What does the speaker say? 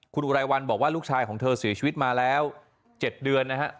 คุณอุไรวันบอกว่าลูกชายของเธอเสียชีวิตมาแล้ว๗เดือนนะฮะ